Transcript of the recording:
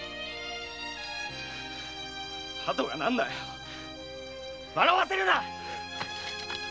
ハトが何だい笑わせるな！